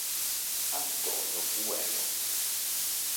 Antonio Bueno